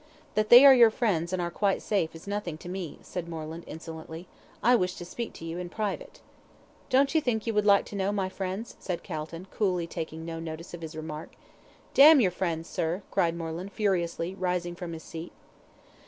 "That they are your friends, and are quite safe, is nothing to me," said Moreland, insolently, "I wish to speak to you in private." "Don't you think you would like to know my friends?" said Calton, coolly taking no notice of his remark. "D your friends, sir!" cried Moreland, furiously, rising from his seat.